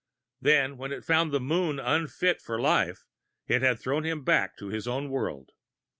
Then, when it found the Moon unfit for life, it had thrown him back to his own world.